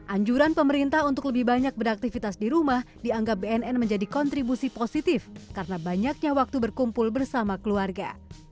anjuran pemerintah untuk lebih banyak beraktivitas di rumah dianggap bnn menjadi kontribusi positif karena banyaknya waktu berkumpul bersama keluarga